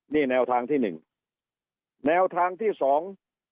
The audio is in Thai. นี่แนวทางที่หนึ่งแนวทางที่สอง